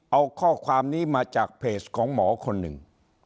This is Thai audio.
เอาข้อความนี้มาจากเพจของหมอคนหนึ่ง